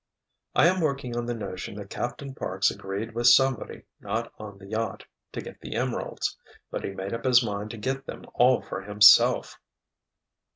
"I am working on the notion that Captain Parks agreed with somebody not on the yacht—to get the emeralds. But he made up his mind to get them all for himself!"